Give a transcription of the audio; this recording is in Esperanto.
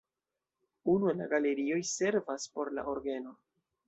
Unu el la galerioj servas por la orgeno.